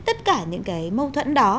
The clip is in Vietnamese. tất cả những cái mâu thuẫn đó